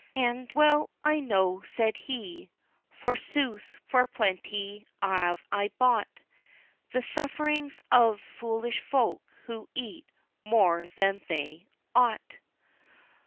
"And well, I know," said he, "forsooth, for plenty have I bought, The sufferings of foolish folk who eat more than they ought.